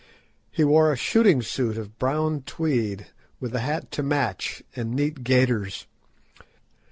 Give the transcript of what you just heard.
He wore a shooting suit of brown tweed, with a hat to match, and neat gaiters.